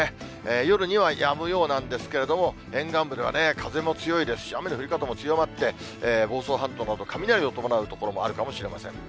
夜にはやむようなんですけれども、沿岸部では風も強いですし、雨の降り方も強まって、房総半島など、雷を伴う所もあるかもしれません。